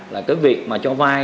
là cái việc mà cho vay